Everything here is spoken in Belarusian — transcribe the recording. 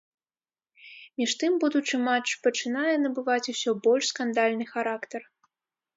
Між тым, будучы матч пачынае набываць усё больш скандальны характар.